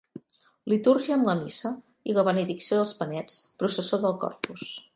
Litúrgia amb la missa i la benedicció dels panets, processó del Corpus.